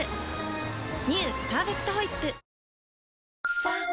「パーフェクトホイップ」